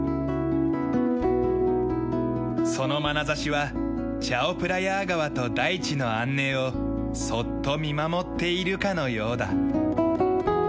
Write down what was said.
そのまなざしはチャオプラヤー川と大地の安寧をそっと見守っているかのようだ。